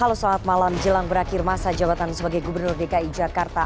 halo selamat malam jelang berakhir masa jabatan sebagai gubernur dki jakarta